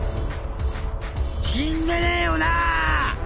死んでねえよなぁ！？